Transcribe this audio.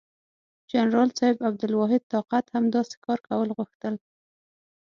جنرال صاحب عبدالواحد طاقت هم داسې کار کول غوښتل.